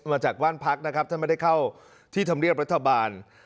มาจากบ้านพักนะครับท่านไม่ได้เข้าที่ธรรมเนียบรัฐบาล